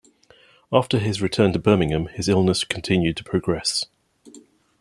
After his return to Birmingham, his illness continued to progress.